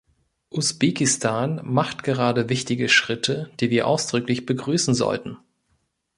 Usbekistan macht gerade wichtige Schritte, die wir ausdrücklich begrüßen sollten.